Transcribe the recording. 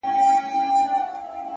لكه برېښنا-